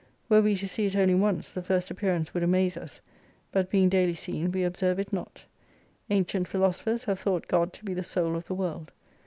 Were we to see it only once, the first appearance would amaze us. But being daily seen, we observe it not. Ancient philoso phers have thought God to be the Soul of the World.